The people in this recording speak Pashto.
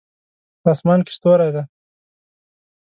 په اسمان کې ستوری ده